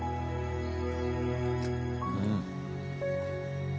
うん。